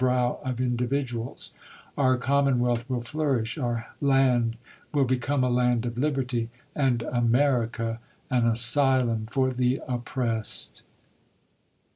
w of individuals ; our cominoHwealth will flourish ; our land will become a land of liberty, and AMERICA an asylum for the oppressed.